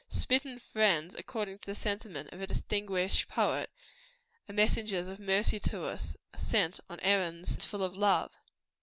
Smitten friends, according to the sentiment of a distinguished poet, are messengers of mercy to us are sent on errands full of love.